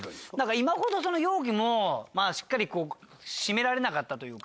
今ほど容器もしっかり閉められなかったというか。